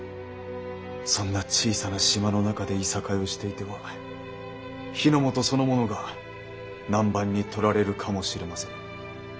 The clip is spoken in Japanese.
そんな小さな島の中でいさかいをしていては日ノ本そのものが南蛮に取られるかもしれませぬ。